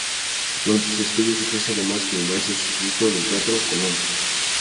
Durante sus estudios ejerce además como maestro sustituto del Teatro Colón.